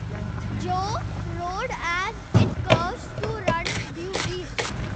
Joe Road as it curves to run due east.